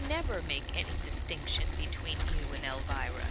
89 never make any distinction between you and Elvira.